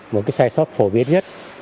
một cái sai sót phổ biến nhất